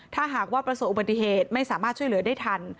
ถ้าหากว่าประสบอุบัติเหตุไม่สามารถช่วยเหลือได้ทัน